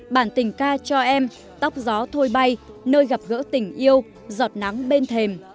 bản tình ca cho em tóc gió thôi bay nơi gặp gỡ tình yêu giọt nắng bên thềm